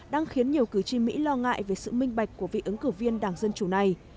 đang khiến nhiều cử tri mỹ lo ngại về sự minh bạch của vị ứng cử viên đảng dân chủ này